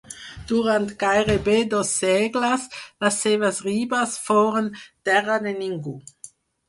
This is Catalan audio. Durant gairebé dos segles les seves ribes foren terra de ningú.